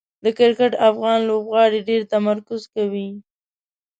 د کرکټ افغان لوبغاړي ډېر تمرکز کوي.